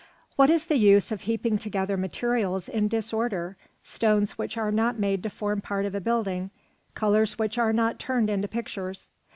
What is the use of heaping together materials in disorder, stones which are not made to form part of a building, colours which are not turned into pictures?